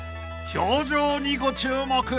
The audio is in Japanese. ［表情にご注目］